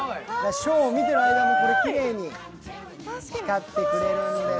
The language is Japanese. ショーを見ている間にきれいに光ってくれるんです。